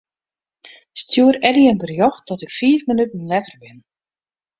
Stjoer Eddy in berjocht dat ik fiif minuten letter bin.